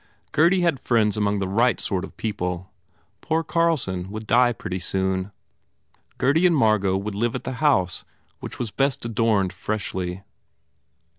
Gurdy had friends among the right sort of people. Poor Carlson would die pretty soon. Gurdy and Margot would live at the house, which were best adorned freshly.